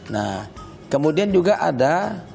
nah kemudian juga ada